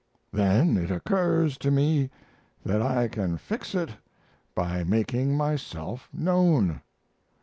Then it occurs to me that I can fix it by making myself known.